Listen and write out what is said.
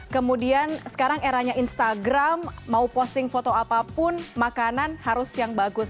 kemudian sekarang eranya instagram mau posting foto apapun makanan harus yang bagus